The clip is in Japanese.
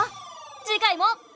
次回も。